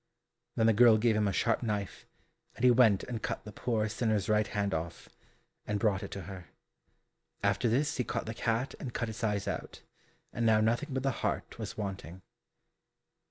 Then the girl gave him a sharp knife, and he went and cut the poor sinner's right hand off, and brought it to her. After this he caught the cat and cut its eyes out, and now nothing but the heart was wanting.